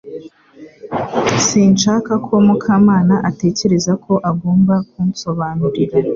Sinshaka ko Mukamana atekereza ko agomba kunsobanurira